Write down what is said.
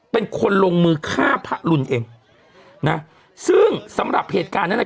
เป็นคนลงมือฆ่าพระรุนเองนะซึ่งสำหรับเหตุการณ์นั้นน่ะ